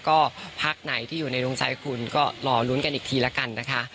ก็พักไหนที่อยู่ในดวงใจคุณก็รอลุ้นกันอีกทีละกันนะคะ